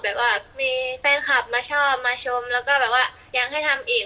แบบว่ามีแฟนคลับมาชอบมาชมแล้วก็แบบว่ายังให้ทำอีก